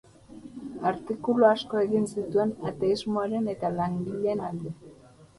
Artikulu asko egin zituen, ateismoaren eta langileen alde.